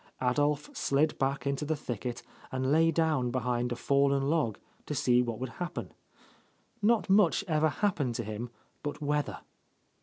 Adolph slid back into the thicket and lay down behind a fallen log to see what would happen. Not much ever happened to him but weather.